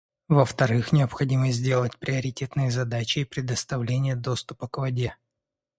Во-вторых, необходимо сделать приоритетной задачей предоставление доступа к воде.